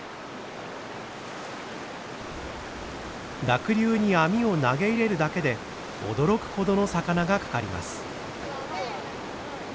濁流に網を投げ入れるだけで驚くほどの魚が掛かります。